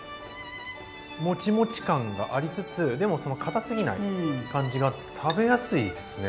モチモチ感がありつつでもかたすぎない感じがあって食べやすいですね。